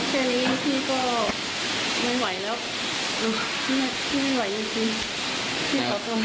แค่นี้พี่ก็ไม่ไหวแล้วพี่ไม่ไหวจริง